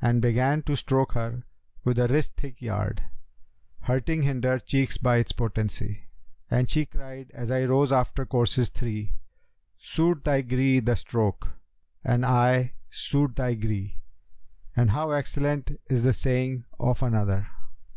And began to stroke her with wrist thick yard, * Hurting hinder cheeks by its potency: And she cried as I rose after courses three * 'Suit thy gree the stroke!' and I—'suit thy gree!' And how excellent is the saying of another!